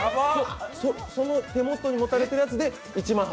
その手元に持たれているやつで１万８０００円？